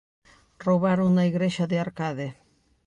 Roubaron na igrexa de Arcade.